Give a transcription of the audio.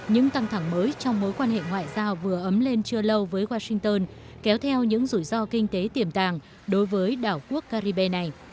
những căng thẳng mới trong mối quan hệ ngoại giao vừa ấm lên chưa lâu với washington kéo theo những rủi ro kinh tế tiềm tàng đối với đảo quốc caribe này